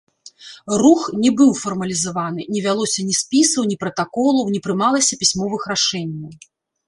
Рух не быў фармалізаваны, не вялося ні спісаў, ні пратаколаў, не прымалася пісьмовых рашэнняў.